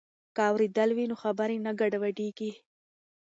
که اورېدل وي نو خبرې نه ګډوډیږي.